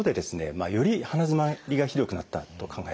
より鼻づまりがひどくなったと考えられますね。